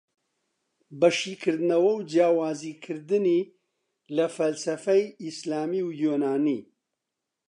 بە شیکردنەوەو جیاوزی کردنی لە فەلسەفەی ئیسلامی و یۆنانی